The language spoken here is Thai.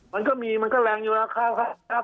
มันก็มีมันก็แรงอยู่นะครับ